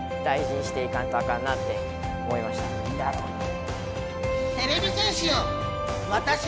なるほどね。